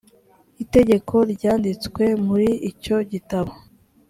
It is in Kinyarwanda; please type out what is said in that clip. itegeko ryanditswe muri icyo gitabo